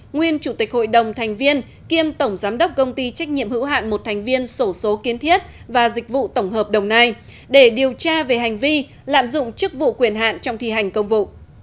nguyên chủ tịch hội đồng thành viên kiêm tổng giám đốc công ty trách nhiệm hữu hạn một thành viên sổ số kiến thiết và dịch vụ tổng hợp đồng nai để điều tra về hành vi lạm dụng chức vụ quyền hạn trong thi hành công vụ